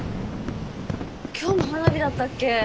今日も花火だったっけ？